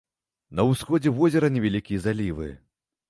На ўсходзе возера невялікія залівы.